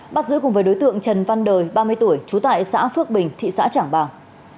bắt giữ cùng với đối tượng trần văn đời ba mươi tuổi trú tại xã phước bình thị xã trảng bàng